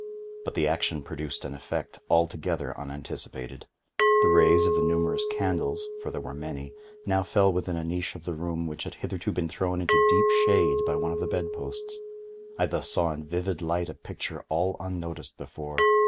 But the action produced an effect altogether unanticipated. The rays of the numerous candles (for there were many) now fell within a niche of the room which had hitherto been thrown into deep shade by one of the bed posts. I thus saw in vivid light a picture all unnoticed before.